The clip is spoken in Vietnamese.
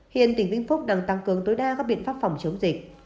hiện tỉnh vĩnh phúc đang tăng cường tối đa các biện pháp phòng chống dịch